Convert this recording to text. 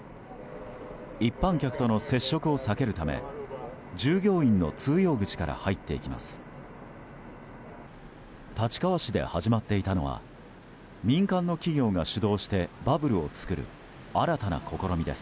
一般客との接触を避けるため従業員の通用口から入っていきます。